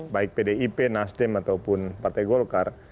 baik pdip nasdem ataupun partai golkar